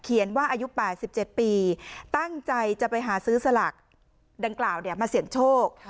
เขียนว่าอายุ๘๗ปีตั้งใจจะไปหาซื้อสลักดังกล่าวเนี่ยมาเสียงโชค